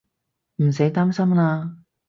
唔使擔心喇